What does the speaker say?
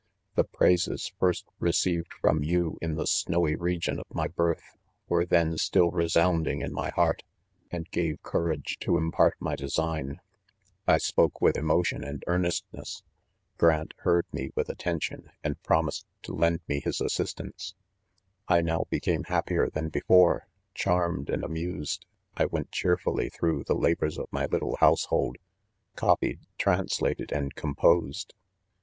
the praises, fopt received from yon in the snowy region of my birth," were then still resound cif THE CONFESSIONS, 51 in. my heart, and gave courage to impart my design, 4 1 spoke with emotion and earnestness § Grant heard me with attention) and promised to lend me his assistance, 4 1 now became happier than before ; charmed and amused, 1 went cheerfully through, the la bors of my little liouschold 3 copied, translated and composed.